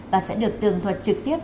và sẽ được tường thuật trực tiếp